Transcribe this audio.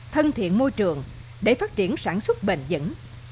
thân thiện môi trường để phát triển sản xuất bền dẫn